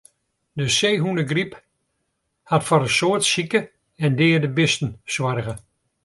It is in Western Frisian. De seehûnegryp hat foar in soad sike en deade bisten soarge.